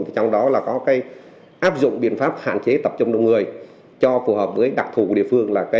trong đó là có áp dụng biện pháp hạn chế tập trung đồng người cho phù hợp với đặc thù địa phương